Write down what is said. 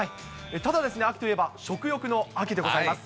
ただ秋といえば食欲の秋でございます。